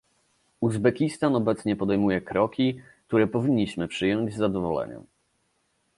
Uzbekistan obecnie podejmuje kroki, które powinniśmy przyjąć z zadowoleniem